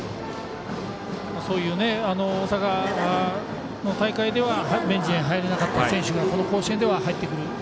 そういう大阪の大会ではベンチに入れなかった選手もこの甲子園では入ってくる。